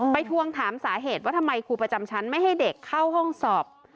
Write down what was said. ทวงถามสาเหตุว่าทำไมครูประจำชั้นไม่ให้เด็กเข้าห้องสอบ